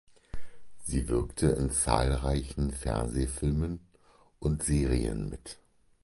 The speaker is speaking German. Sie wirkte in zahlreichen Fernsehfilmen und Serien mit.